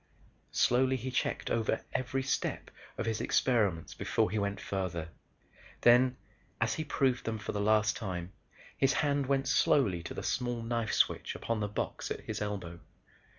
Slowly he checked over every step of his experiments before he went farther. Then, as he proved them for the last time, his hand went slowly to the small knife switch upon the box at his elbow.